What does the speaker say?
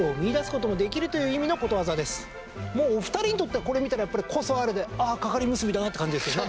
つまりもうお二人にとってはこれ見たらやっぱり「こそ」「あれ」で「ああ係り結びだな」って感じですよね。